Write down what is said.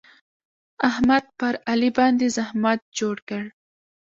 احمد پر علي باندې زحمت جوړ کړ.